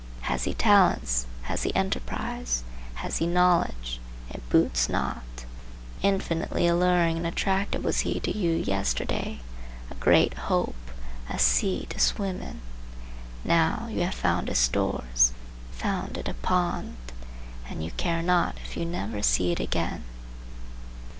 Has he talents? has he enterprise? has he knowledge? It boots not. Infinitely alluring and attractive was he to you yesterday, a great hope, a sea to swim in; now, you have found his shores, found it a pond, and you care not if you never see it again.